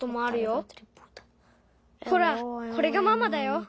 ほらこれがママだよ。